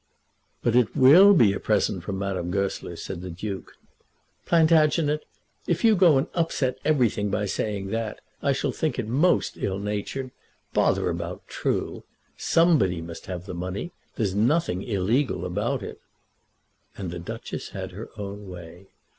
"But it will be a present from Madame Goesler," said the Duke. "Plantagenet, if you go and upset everything by saying that, I shall think it most ill natured. Bother about true! Somebody must have the money. There's nothing illegal about it." And the Duchess had her own way.